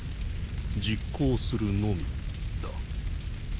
実行するのみだ。